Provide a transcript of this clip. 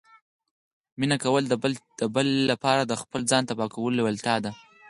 مینه کول د بل لپاره د خپل ځان تباه کولو لیوالتیا ده